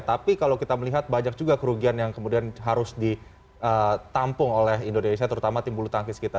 tapi kalau kita melihat banyak juga kerugian yang kemudian harus ditampung oleh indonesia terutama tim bulu tangkis kita